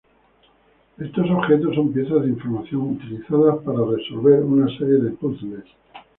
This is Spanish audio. Estos objetos son piezas de información utilizadas para resolver una serie de puzles.